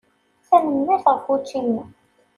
Tanemmirt ɣef učči-nni.